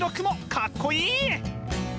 かっこいい！